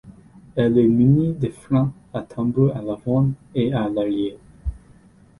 Elle est munie de freins à tambour à l'avant et à l'arrière.